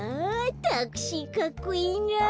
タクシーかっこいいな。